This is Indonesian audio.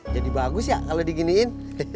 jadi bagus ya kalau diginiin